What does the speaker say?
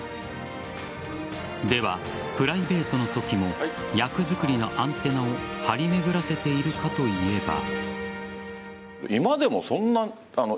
では、プライベートのときも役づくりのアンテナを張り巡らせているかといえば。